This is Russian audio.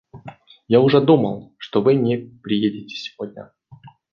Я уже думал, что вы не приедете сегодня.